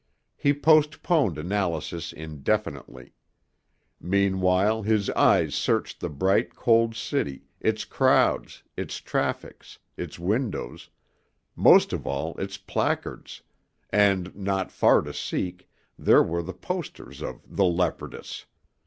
He postponed analysis indefinitely. Meanwhile his eyes searched the bright, cold city, its crowds, its traffics, its windows most of all, its placards, and, not far to seek, there were the posters of "The Leopardess."